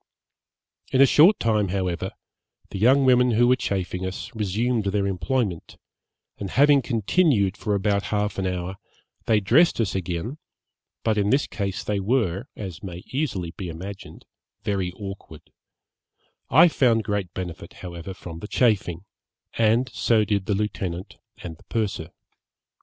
In a short time, however, the young women who were chafing us, resumed their employment, and having continued for about half an hour, they dressed us again, but in this they were, as may easily be imagined, very awkward; I found great benefit, however, from the chafing, and so did the lieutenant and the purser.